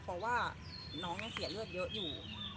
เพราะว่าน้องยังเสียเลือดเยอะอยู่